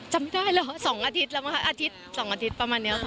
จำไม่ได้หรอสองอาทิตย์แล้วนะคะสองอาทิตย์ประมาณนี้ค่ะ